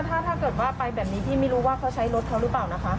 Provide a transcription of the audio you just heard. ถ้าเกิดว่าไปแบบนี้พี่ไม่รู้ว่าเขาใช้รถเขาหรือเปล่านะคะ